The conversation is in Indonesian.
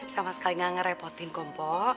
sama sekali gak ngerepotin kompo